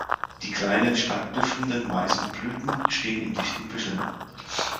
Die kleinen, stark duftenden, weißen Blüten stehen in dichten Büscheln.